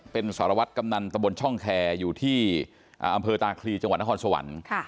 เป็นสารวัตรกำนันตะบนช่องแคร์อยู่ที่อำเภอตาคลีจังหวัดนครสวรรค์